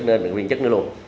nên là viên chức nữa luôn